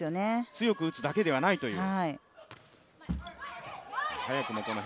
強く打つだけではないという。